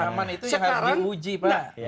rekaman itu yang harus di uji pak